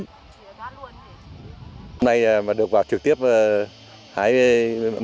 hôm nay mà được vào trực tiếp hái